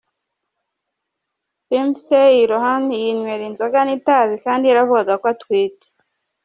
Lindsay Lohan yinywera inzoga n'itabi kandi yaravugaga ko atwite.